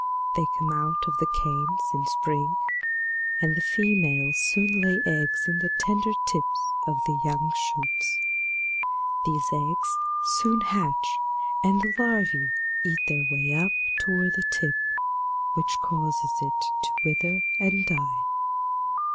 They come out of the canes in spring and the females soon lay eggs in the tender tips of the young shoots. These eggs soon hatch and the larvae eat their way up toward the tip, which causes it to wither and die.